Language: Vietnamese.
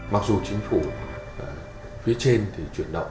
mặc dù chính phủ phía trên chuyển động